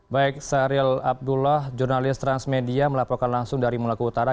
baik sahril abdullah jurnalis transmedia melaporkan langsung dari maluku utara